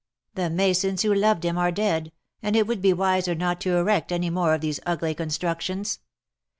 The masons who loved Him are dead, and it would be wiser not to erect any more of these ugly constructions.